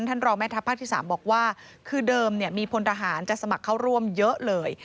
รองแม่ทัพภาคที่๓บอกว่าคือเดิมมีพลทหารจะสมัครเข้าร่วมเยอะเลย